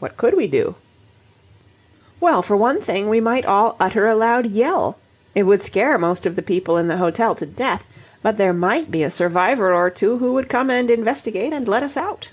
"What could we do?" "Well, for one thing, we might all utter a loud yell. It would scare most of the people in the hotel to death, but there might be a survivor or two who would come and investigate and let us out."